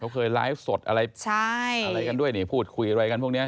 เคยไลฟ์สดอะไรกันด้วยพูดคุยอะไรกันพวกนี้